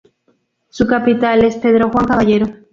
Su capital es Pedro Juan Caballero.